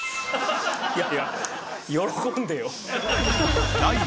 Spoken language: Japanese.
いやいや喜んでよ。